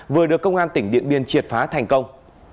vừa được công an tỉnh điện biên triệt phá thành công